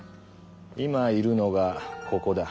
今いるのがここだ。